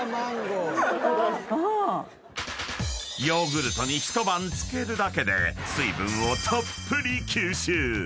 ［ヨーグルトに一晩漬けるだけで水分をたっぷり吸収］